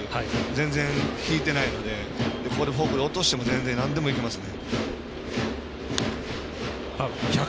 全然、引いてないのでここでフォークで落としてもなんでもいけますね。